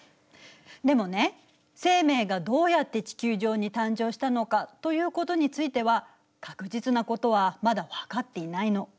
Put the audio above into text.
でもね生命がどうやって地球上に誕生したのかということについては確実なことはまだ分かっていないの。